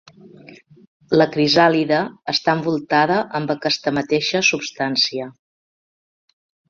La crisàlide està envoltada amb aquesta mateixa substància.